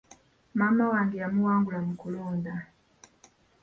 Maama wange yamuwangula mu kulonda.